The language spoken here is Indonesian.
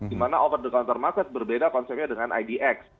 dimana over the counter market berbeda konsepnya dengan idx